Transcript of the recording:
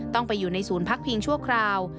ต้องไปอยู่ในศูนย์พักพิงชั่วคราว